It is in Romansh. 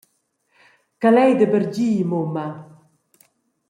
Calei da bargir, mumma!»